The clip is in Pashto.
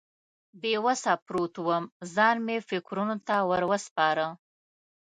بې وسه پروت وم، ځان مې فکرونو ته ور وسپاره.